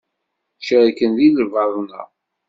Cerken di lbaḍna.